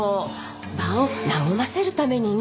場を和ませるためにね。